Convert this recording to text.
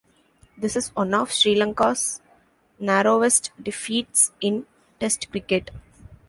This is one of Sri Lanka's narrowest defeats in Test cricket.